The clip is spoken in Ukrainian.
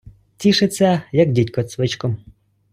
Тішиться, як дідько цьвичком.